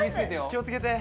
気を付けて。